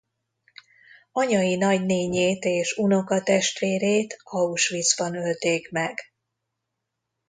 Anyai nagynénjét és unokatestvérét Auschwitzban ölték meg.